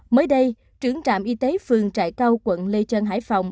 mới đây trưởng trạm y tế phường trại cao quận lê trân hải phòng